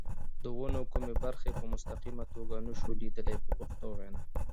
د ونو کومې برخې په مستقیمه توګه نشو لیدلای په پښتو وینا.